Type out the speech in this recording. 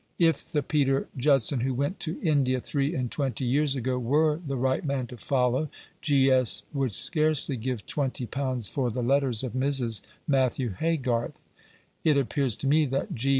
If the Peter Judson who went to India three and twenty years ago were the right man to follow, G.S. would scarcely give twenty pounds for the letters of Mrs. Matthew Haygarth. It appears to me that G.